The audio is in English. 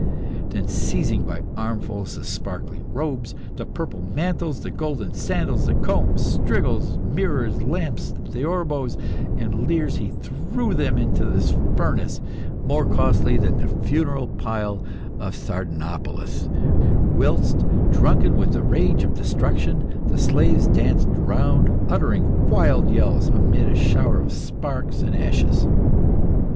Then, seizing by armfuls the sparkling robes, the purple mantles, the golden sandals, the combs, strigils, mirrors, lamps, theorbos, and lyres, he threw them into this furnace, more costly than the funeral pile of Sardanapalus, whilst, drunken with the rage of destruction, the slaves danced round, uttering wild yells amid a shower of sparks and ashes.